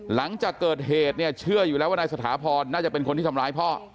หลังจากเกิดเหตุเนี่ยเชื่ออยู่แล้วว่านายสถาพรน่าจะเป็นคนที่ทำร้ายพ่อ